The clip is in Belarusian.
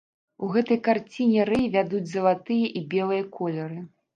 У гэтай карціне рэй вядуць залатыя і белыя колеры.